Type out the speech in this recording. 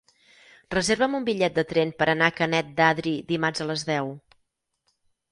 Reserva'm un bitllet de tren per anar a Canet d'Adri dimarts a les deu.